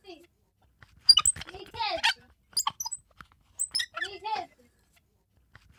habari mjini Dodoma akionekana mgonjwaIngawa kulikuwa na uvumi kuwa amepata maambukizi ya Corona